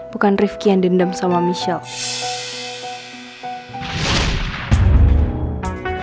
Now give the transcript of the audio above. bukan rifki yang dendam sama michelle